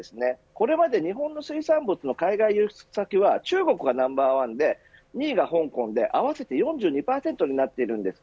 これまで日本の水産物の海外輸出先は中国がナンバー１で２位が香港で合わせて４２％になっているんです。